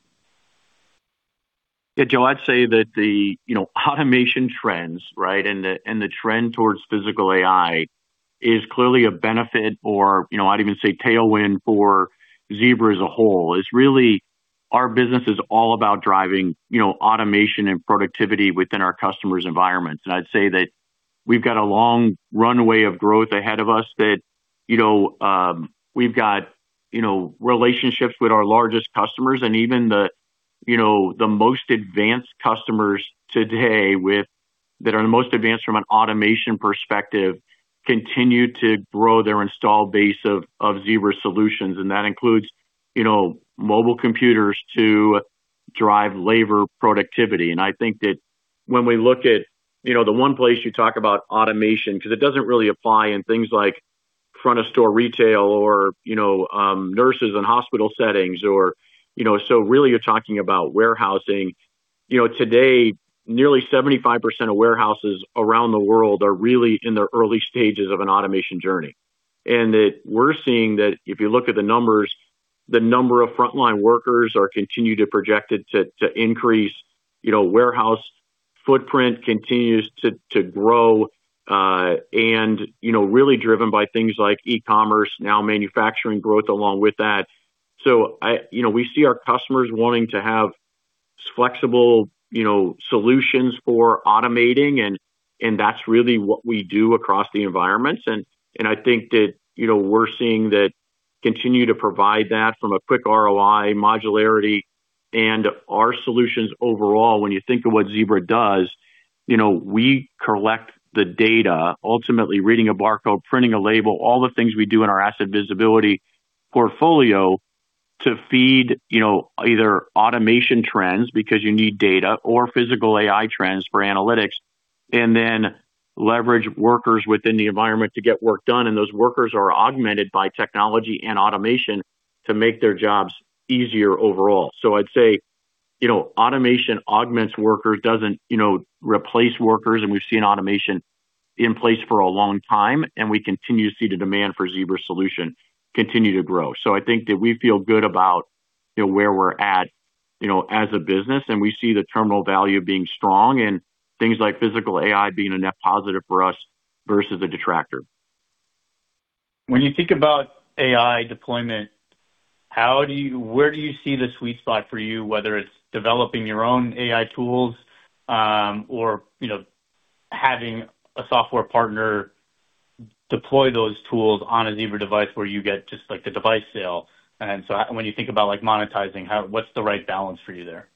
Yeah, Joseph Giordano, I'd say that the, you know, automation trends, right, and the, and the trend towards Physical AI is clearly a benefit or, you know, I'd even say tailwind for Zebra as a whole. It's really our business is all about driving, you know, automation and productivity within our customers' environments. I'd say that we've got a long runway of growth ahead of us that, you know, we've got, you know, relationships with our largest customers and even the, you know, the most advanced customers today that are the most advanced from an automation perspective continue to grow their installed base of Zebra solutions, and that includes, you know, mobile computers to drive labor productivity. I think that when we look at, you know, the one place you talk about automation, 'cause it doesn't really apply in things like front of store retail or, you know, nurses in hospital settings or, you know. Really you're talking about warehousing. You know, today, nearly 75% of warehouses around the world are really in the early stages of an automation journey. That we're seeing that if you look at the numbers, the number of frontline workers are continued to project it to increase. You know, warehouse footprint continues to grow, and, you know, really driven by things like e-commerce, now manufacturing growth along with that. You know, we see our customers wanting to have flexible, you know, solutions for automating and that's really what we do across the environments. I think that, you know, we're seeing that continue to provide that from a quick ROI modularity and our solutions overall. When you think of what Zebra does, you know, we collect the data, ultimately reading a barcode, printing a label, all the things we do in our Asset Visibility portfolio to feed, you know, either automation trends, because you need data, or Physical AI trends for analytics, and then leverage workers within the environment to get work done, and those workers are augmented by technology and automation to make their jobs easier overall. I'd say, you know, automation augments workers, doesn't, you know, replace workers, and we've seen automation in place for a long time, and we continue to see the demand for Zebra solution continue to grow. I think that we feel good about, you know, where we're at, you know, as a business, and we see the terminal value being strong and things like Physical AI being a net positive for us versus a detractor. When you think about AI deployment, how do you where do you see the sweet spot for you, whether it's developing your own AI tools, or, you know, having a software partner deploy those tools on a Zebra device where you get just like the device sale? When you think about, like, monetizing, how what's the right balance for you there?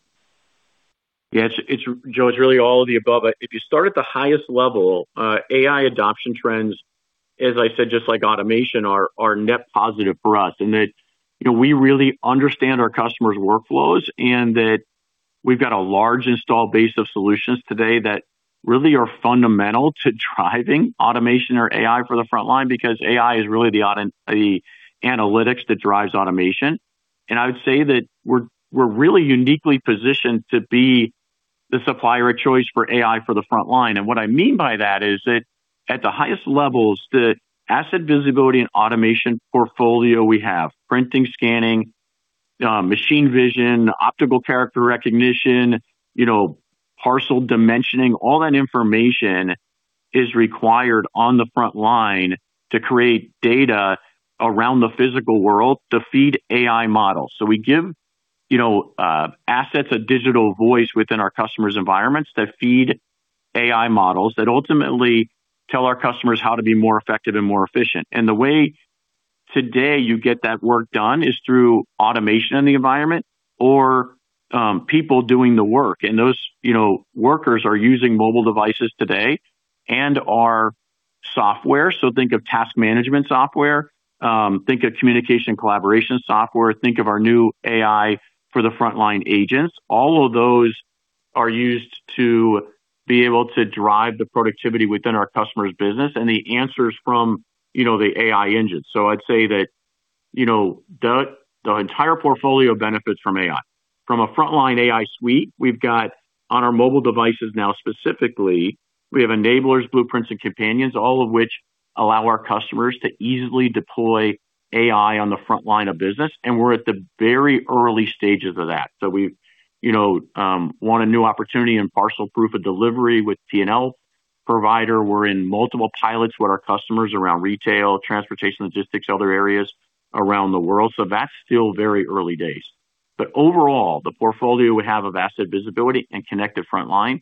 Yeah. It's, Joe, it's really all of the above. If you start at the highest level, AI adoption trends, as I said, just like automation, are net positive for us in that, you know, we really understand our customers' workflows and that we've got a large installed base of solutions today that really are fundamental to driving automation or AI for the frontline because AI is really the analytics that drives automation. I would say that we're really uniquely positioned to be the supplier of choice for AI for the frontline. What I mean by that is that at the highest levels, the Asset Visibility and Automation portfolio we have, printing, scanning, Machine Vision, optical character recognition, you know, parcel dimensioning, all that information is required on the front line to create data around the physical world to feed AI models. We give- You know, assets, a digital voice within our customers environments that feed AI models that ultimately tell our customers how to be more effective and more efficient. The way today you get that work done is through automation in the environment or people doing the work. Those, you know, workers are using mobile devices today and our software. Think of task management software, think of communication collaboration software, think of our new AI for the frontline agents. All of those are used to be able to drive the productivity within our customer's business and the answers from, you know, the AI engine. I'd say that, you know, the entire portfolio benefits from AI. From a Frontline AI Suite, we've got on our mobile devices now specifically, we have Enablers, Blueprints and Companions, all of which allow our customers to easily deploy AI on the front line of business, we're at the very early stages of that. We've, you know, won a new opportunity and parcel proof of delivery with T&L provider. We're in multiple pilots with our customers around retail, transportation, logistics, other areas around the world. That's still very early days. Overall, the portfolio we have of Asset Visibility and Connected Frontline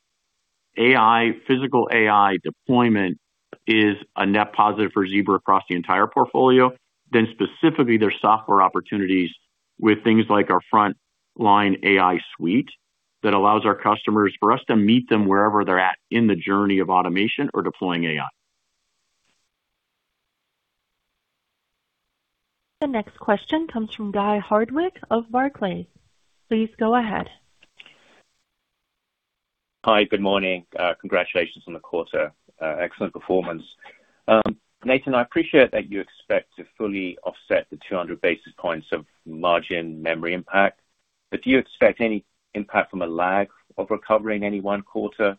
AI, Physical AI deployment is a net positive for Zebra across the entire portfolio. Specifically, there's software opportunities with things like our Frontline AI Suite that allows our customers for us to meet them wherever they're at in the journey of automation or deploying AI. The next question comes from Guy Hardwick of Barclays. Please go ahead. Hi, good morning. Congratulations on the quarter. Excellent performance. Nathan, I appreciate that you expect to fully offset the 200 basis points of margin memory impact. Do you expect any impact from a lag of recovery in any one quarter?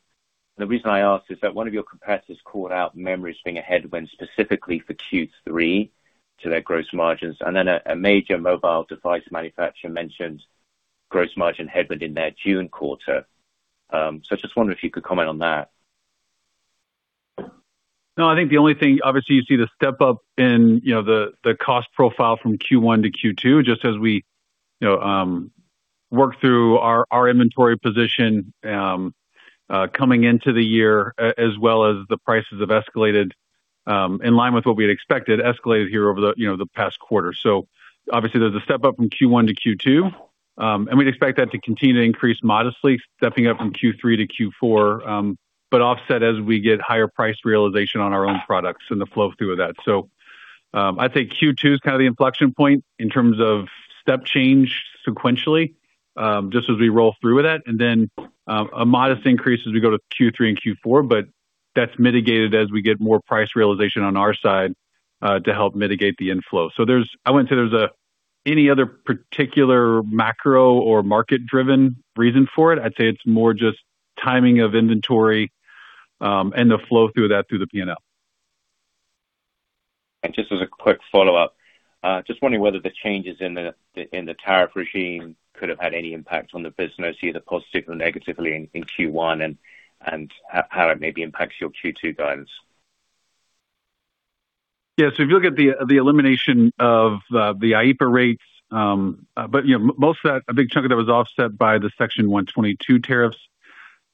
The reason I ask is that one of your competitors called out memories being ahead when specifically for Q3 to their gross margins, and then a major mobile device manufacturer mentioned gross margin headwind in their June quarter. I just wonder if you could comment on that. No, I think the only thing, obviously you see the step up in, you know, the cost profile from Q1 to Q2, just as we, you know, work through our inventory position, coming into the year, as well as the prices have escalated, in line with what we had expected, escalated here over the, you know, the past quarter. Obviously, there's a step up from Q1 to Q2, and we'd expect that to continue to increase modestly, stepping up from Q3 to Q4, but offset as we get higher price realization on our own products and the flow through of that. I think Q2 is kind of the inflection point in terms of step change sequentially, just as we roll through with that, and then, a modest increase as we go to Q3 and Q4, but that's mitigated as we get more price realization on our side, to help mitigate the inflow. There's I wouldn't say there's any other particular macro or market-driven reason for it. I'd say it's more just timing of inventory, and the flow through that through the P&L. Just as a quick follow-up, just wondering whether the changes in the tariff regime could have had any impact on the business, either positively or negatively in Q1 and how it maybe impacts your Q2 guidance. If you look at the elimination of the IEPA rates, but, you know, most of that, a big chunk of that was offset by the Section 122 Tariffs.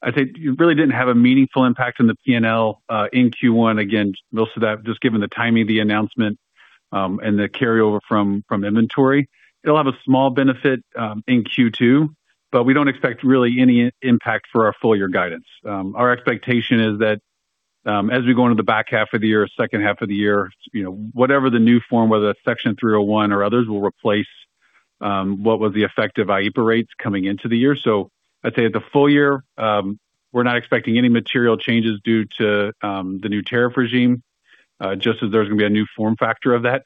I'd say it really didn't have a meaningful impact on the P&L in Q1. Again, most of that, just given the timing of the announcement, and the carryover from inventory. It'll have a small benefit in Q2, but we don't expect really any impact for our full year guidance. Our expectation is that as we go into the back half of the year, second half of the year, you know, whatever the new form, whether that's Section 301 or others, will replace what was the effective IEPA rates coming into the year. I'd say the full year, we're not expecting any material changes due to the new tariff regime, just as there's gonna be a new form factor of that,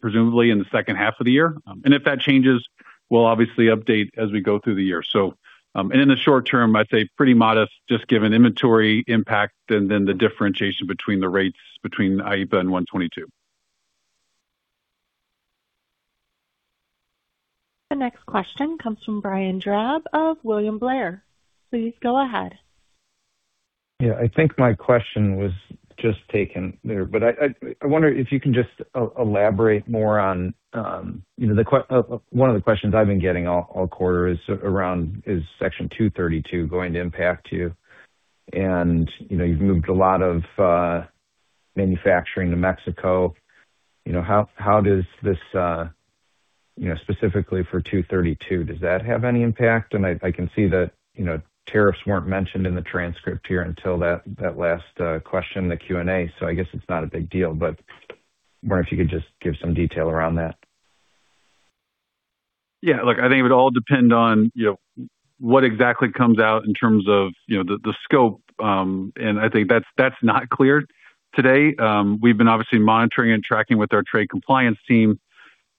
presumably in the second half of the year. If that changes, we'll obviously update as we go through the year. In the short term, I'd say pretty modest, just given inventory impact than the differentiation between the rates between IEPA and 122. The next question comes from Brian Drab of William Blair. Please go ahead. Yeah. I think my question was just taken there, but I wonder if you can just elaborate more on, you know, one of the questions I've been getting all quarter is around is Section 232 going to impact you? You know, you've moved a lot of manufacturing to Mexico. You know, how does this, you know, specifically for 232, does that have any impact? I can see that, you know, tariffs weren't mentioned in the transcript here until that last question, the Q&A, so I guess it's not a big deal, but wonder if you could just give some detail around that. Yeah, look, I think it would all depend on, you know, what exactly comes out in terms of, you know, the scope. I think that's not clear today. We've been obviously monitoring and tracking with our trade compliance team,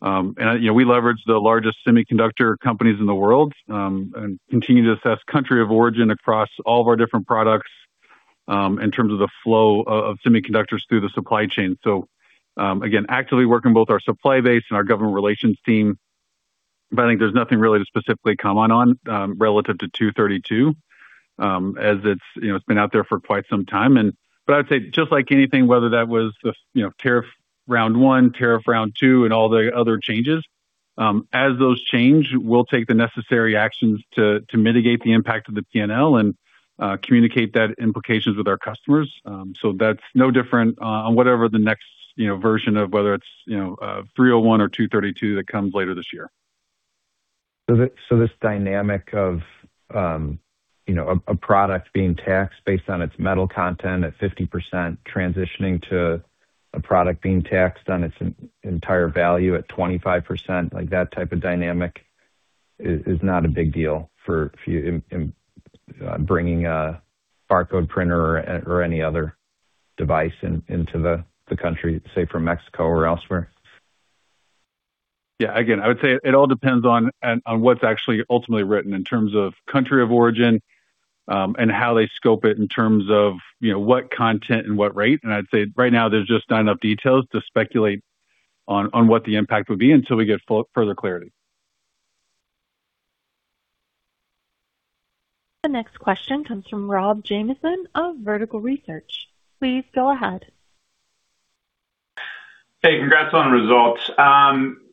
and, you know, we leverage the largest semiconductor companies in the world, and continue to assess country of origin across all of our different products, in terms of the flow of semiconductors through the supply chain. Again, actively working both our supply base and our government relations team, but I think there's nothing really to specifically comment on, relative to 232. As it's, you know, it's been out there for quite some time, I'd say just like anything, whether that was the, you know, Tariff Round 1, Tariff Round 2, and all the other changes, as those change, we'll take the necessary actions to mitigate the impact of the P&L and communicate that implications with our customers. That's no different on whatever the next, you know, version of whether it's, you know, 301 or 232 that comes later this year. This dynamic of, you know, a product being taxed based on its metal content at 50%, transitioning to a product being taxed on its entire value at 25%, like that type of dynamic is not a big deal for bringing a barcode printer or any other device into the country, say from Mexico or elsewhere. Yeah. Again, I would say it all depends on what's actually ultimately written in terms of country of origin, and how they scope it in terms of, you know, what content and what rate. I'd say right now there's just not enough details to speculate on what the impact would be until we get further clarity. The next question comes from Robert Jamieson of Vertical Research. Please go ahead. Hey, congrats on the results.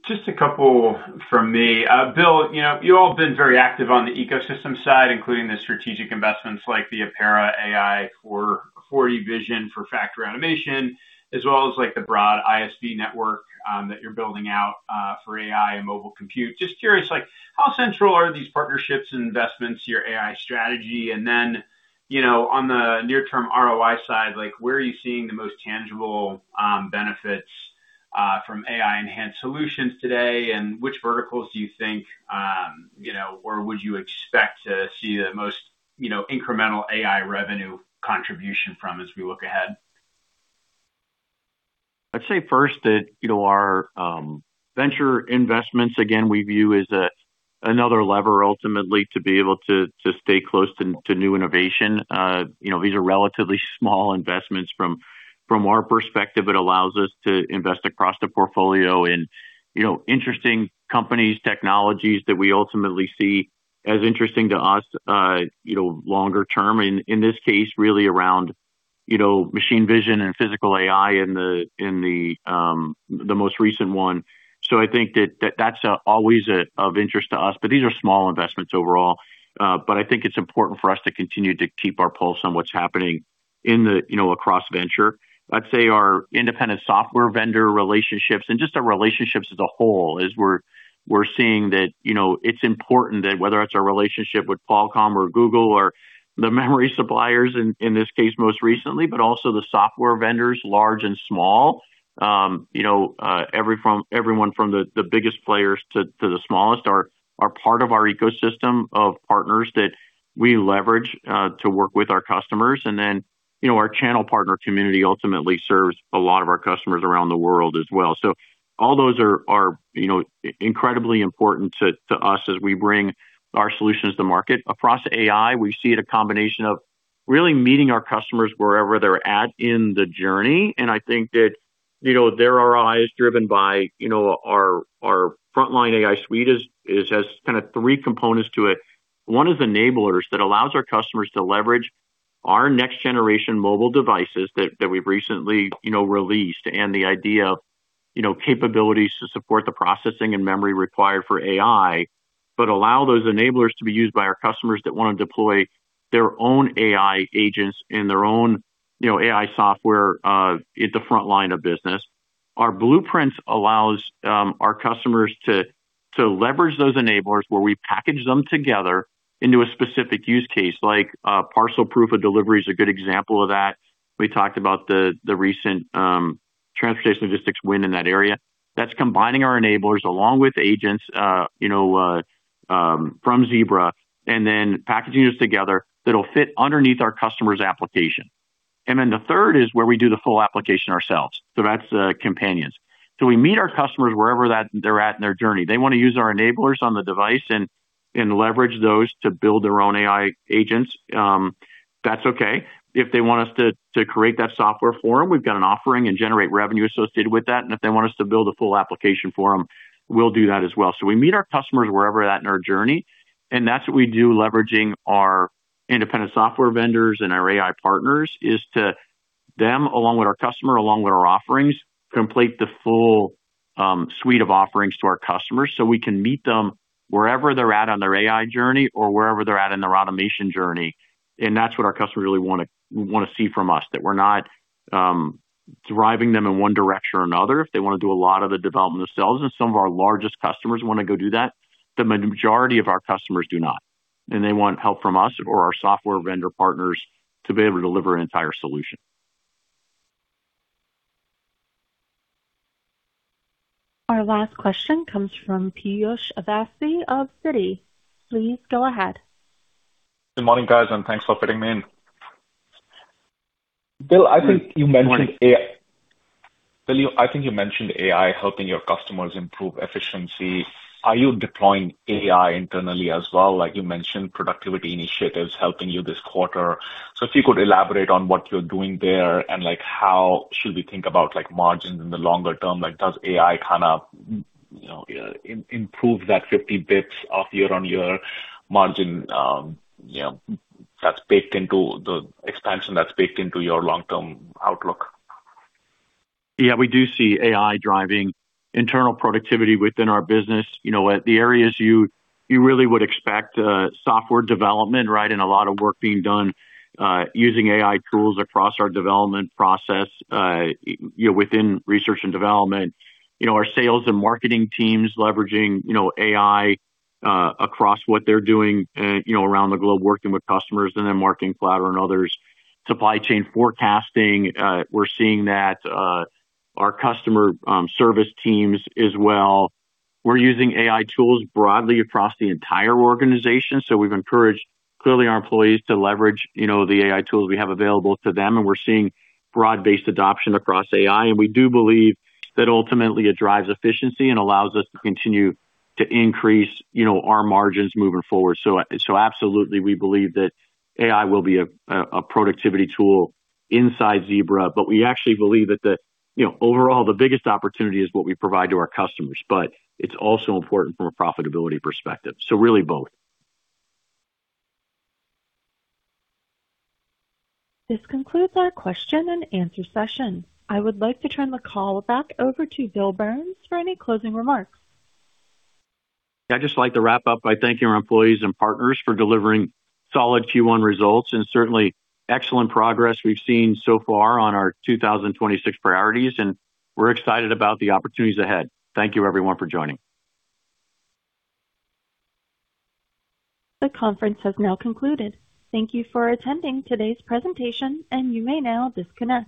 Just a couple from me. Bill, you know, you all have been very active on the ecosystem side, including the strategic investments like the Apera AI for, 4D vision for factory automation, as well as like the broad ISV network that you're building out for AI and mobile compute. Just curious, like how central are these partnerships and investments to your AI strategy? You know, on the near term ROI side, like where are you seeing the most tangible benefits from AI enhanced solutions today, and which verticals do you think, you know, or would you expect to see the most, you know, incremental AI revenue contribution from as we look ahead? I'd say first that, you know, our venture investments, again, we view as another lever ultimately to be able to stay close to new innovation. You know, these are relatively small investments from our perspective. It allows us to invest across the portfolio in, you know, interesting companies, technologies that we ultimately see as interesting to us, you know, longer term. In this case, really around, you know, Machine Vision and Physical AI in the most recent one. I think that's always of interest to us, but these are small investments overall. I think it's important for us to continue to keep our pulse on what's happening in the, you know, across venture. I'd say our independent software vendor relationships and just our relationships as a whole is we're seeing that, you know, it's important that whether it's our relationship with Qualcomm or Google or the memory suppliers in this case most recently, but also the software vendors, large and small. You know, everyone from the biggest players to the smallest are part of our ecosystem of partners that we leverage to work with our customers. You know, our channel partner community ultimately serves a lot of our customers around the world as well. All those are, you know, incredibly important to us as we bring our solutions to market. Across AI, we see it a combination of really meeting our customers wherever they're at in the journey. I think that, you know, their ROI is driven by, you know, our Frontline AI Suite is kinda three components to it. One is Enablers that allows our customers to leverage our next generation mobile devices that we've recently, you know, released, the idea of, you know, capabilities to support the processing and memory required for AI, allow those Enablers to be used by our customers that wanna deploy their own AI agents in their own, you know, AI software at the frontline of business. Our Blueprints allows our customers to leverage those Enablers where we package them together into a specific use case. Like, parcel proof of delivery is a good example of that. We talked about the recent transportation logistics win in that area. That's combining our Enablers along with agents from Zebra, and then packaging those together that'll fit underneath our customer's application. The third is where we do the full application ourselves. That's Companions. We meet our customers wherever that they're at in their journey. They wanna use our Enablers on the device and leverage those to build their own AI agents, that's okay. If they want us to create that software for them, we've got an offering and generate revenue associated with that. If they want us to build a full application for them, we'll do that as well. We meet our customers wherever they're at in our journey. That's what we do leveraging our independent software vendors and our AI partners, along with our customer, along with our offerings, complete the full suite of offerings to our customers, so we can meet them wherever they're at on their AI journey or wherever they're at in their automation journey. That's what our customers really wanna see from us, that we're not driving them in one direction or another. If they wanna do a lot of the development themselves, and some of our largest customers wanna go do that, the majority of our customers do not. They want help from us or our software vendor partners to be able to deliver an entire solution. Our last question comes from Piyush Avasthy of Citi. Please go ahead. Good morning, guys, and thanks for fitting me in. Bill, I think you mentioned AI- Good morning. Bill, you, I think you mentioned AI helping your customers improve efficiency. Are you deploying AI internally as well? Like, you mentioned productivity initiatives helping you this quarter. If you could elaborate on what you're doing there, and like how should we think about like margins in the longer term? Like, does AI kinda, you know, improve that 50 basis points off year-on-year margin, you know, that's baked into the expansion that's baked into your long-term outlook? Yeah, we do see AI driving internal productivity within our business. You know, at the areas you really would expect, software development, right? A lot of work being done using AI tools across our development process, you know, within research and development. You know, our sales and marketing teams leveraging, you know, AI across what they're doing, you know, around the globe, working with customers in their marketing platform and others. Supply chain forecasting, we're seeing that. Our customer service teams as well. We're using AI tools broadly across the entire organization, so we've encouraged, clearly, our employees to leverage, you know, the AI tools we have available to them, and we're seeing broad-based adoption across AI. We do believe that ultimately it drives efficiency and allows us to continue to increase, you know, our margins moving forward. Absolutely we believe that AI will be a productivity tool inside Zebra, but we actually believe that you know, overall the biggest opportunity is what we provide to our customers. It's also important from a profitability perspective. Really both. This concludes our question and answer session. I would like to turn the call back over to Bill Burns for any closing remarks. I'd just like to wrap up by thanking our employees and partners for delivering solid Q1 results and certainly excellent progress we've seen so far on our 2026 priorities. We're excited about the opportunities ahead. Thank you everyone for joining. The conference has now concluded. Thank you for attending today's presentation, and you may now disconnect.